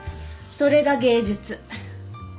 それが芸術。